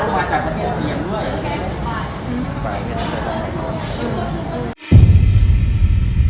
ตอนที่สุดมันกลายเป็นสิ่งที่ไม่มีความคิดว่า